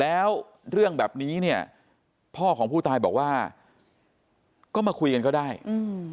แล้วเรื่องแบบนี้เนี่ยพ่อของผู้ตายบอกว่าก็มาคุยกันก็ได้อืม